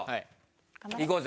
いこうぜ。